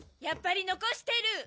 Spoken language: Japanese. やっぱり残してる！